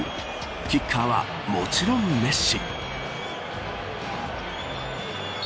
キッカーは、もちろんメッシ。